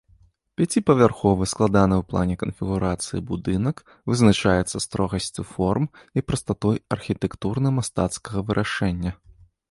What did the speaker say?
Пяціпавярховы складанай у плане канфігурацыі будынак вызначаецца строгасцю форм і прастатой архітэктурна-мастацкага вырашэння.